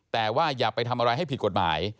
แต่ว่าอย่าไปทำอะไรให้ผิดกฎหมาย